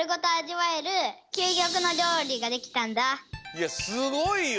いやすごいよ！